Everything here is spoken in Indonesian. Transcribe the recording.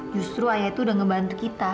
justru ayah itu udah gak bantu kita